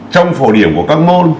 trong phổ điểm của các môn